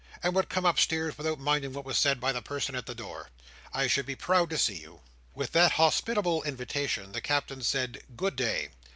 —and would come upstairs, without minding what was said by the person at the door, I should be proud to see you. With that hospitable invitation, the Captain said "Good day!"